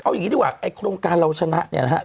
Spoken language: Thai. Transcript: เอาอย่างงี้ดีกว่าโครงการเราชนะเนี่ยนะฮะ